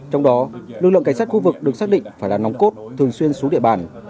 trong đó lực lượng cảnh sát khu vực được xác định phải là nòng cốt thường xuyên xuống địa bàn